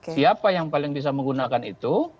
siapa yang paling bisa menggunakan itu